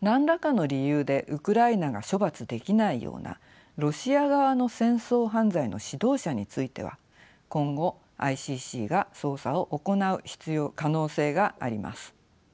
何らかの理由でウクライナが処罰できないようなロシア側の戦争犯罪の指導者については今後ＩＣＣが捜査を行う可能性があります。